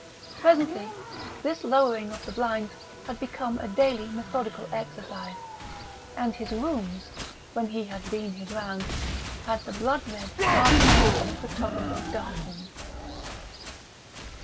Presently this lowering of the blinds had become a daily methodical exercise, and his rooms, when he had been his round, had the blood red half light of a photographer's darkroom.